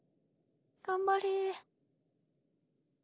頑張れ。